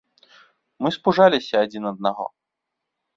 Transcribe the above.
Мы спужаліся адзін аднаго.